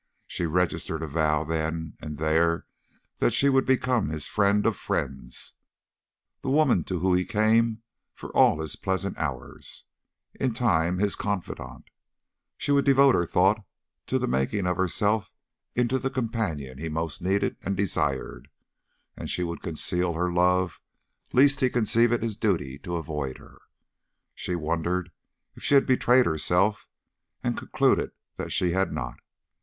She registered a vow then and there that she would become his friend of friends, the woman to whom he came for all his pleasant hours, in time his confidante. She would devote her thought to the making of herself into the companion he most needed and desired; and she would conceal her love lest he conceive it his duty to avoid her. She wondered if she had betrayed herself, and concluded that she had not.